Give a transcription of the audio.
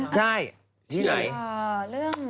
ใช่ที่ไหน